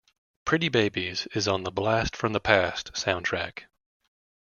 "Pretty Babies" is on the "Blast from the Past" soundtrack.